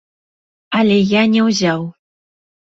Але я не ўзяў.